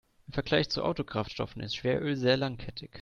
Im Vergleich zu Autokraftstoffen ist Schweröl sehr langkettig.